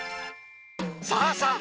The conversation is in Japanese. さあさあ